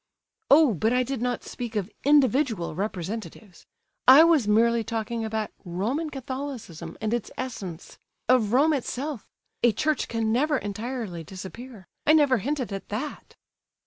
"Oh, but I did not speak of individual representatives. I was merely talking about Roman Catholicism, and its essence—of Rome itself. A Church can never entirely disappear; I never hinted at that!"